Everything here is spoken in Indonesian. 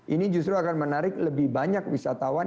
ini justru akan menarik lebih banyak wisatawan